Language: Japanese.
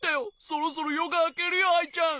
そろそろよがあけるよアイちゃん。